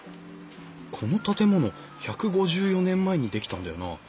この建物１５４年前に出来たんだよな。